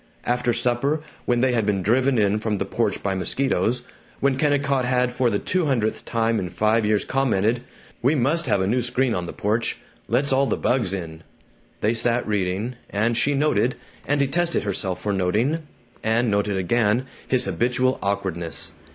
After supper, when they had been driven in from the porch by mosquitos, when Kennicott had for the two hundredth time in five years commented, "We must have a new screen on the porch lets all the bugs in," they sat reading, and she noted, and detested herself for noting, and noted again his habitual awkwardness.